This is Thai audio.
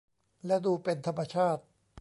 และดูเป็นธรรมชาติ